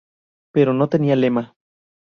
Pero no tenían lema.